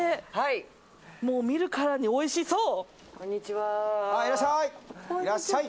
見るからにおいしそう！